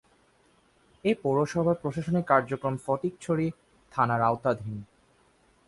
এ পৌরসভার প্রশাসনিক কার্যক্রম ফটিকছড়ি থানার আওতাধীন।